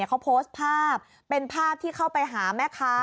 เขาโพสต์ภาพเป็นภาพที่เข้าไปหาแม่ค้า